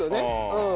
うん。